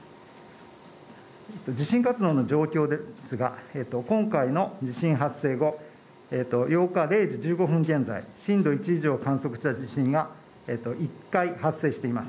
地震活動の状況ですが今回の地震発生後８日零時１５分現在、震度１以上を観測した地震が１回発生しています